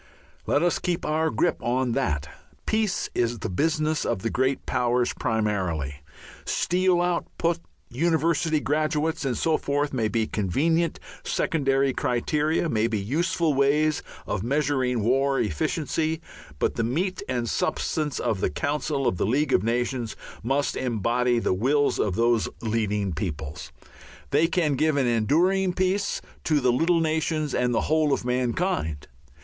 Let us keep our grip on that. Peace is the business of the great powers primarily. Steel output, university graduates, and so forth may be convenient secondary criteria, may be useful ways of measuring war efficiency, but the meat and substance of the Council of the League of Nations must embody the wills of those leading peoples. They can give an enduring peace to the little nations and the whole of mankind.